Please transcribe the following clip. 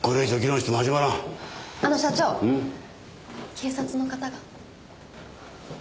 警察の方が。